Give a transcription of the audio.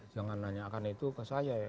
jangan nanyakan itu ke saya ya